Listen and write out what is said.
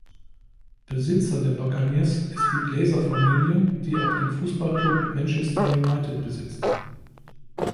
Besitzer der Buccaneers ist die Glazer-Familie, die auch den Fußballklub Manchester United besitzt.